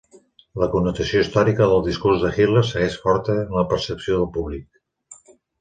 La connotació històrica del discurs de Hitler segueix forta en la percepció del públic.